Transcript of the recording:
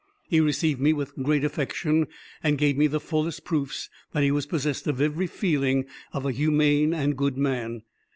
He received me with great affection, and gave me the fullest proofs that he was possessed of every feeling of a humane and good man.